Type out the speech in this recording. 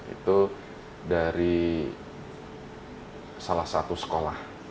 itu dari salah satu sekolah